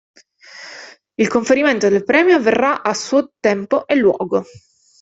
Il conferimento del premio avverrà a suo tempo e luogo.